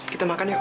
kita makan yuk